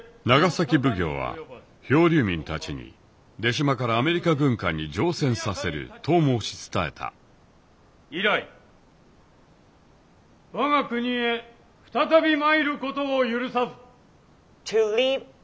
長崎奉行は漂流民たちに出島からアメリカ軍艦に乗船させると申し伝えた以来我が国へ再び参ることを許さず。